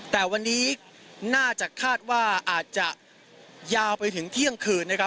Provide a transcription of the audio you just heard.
แต่วันนี้น่าจะคาดว่าอาจจะยาวไปถึงเที่ยงคืนนะครับ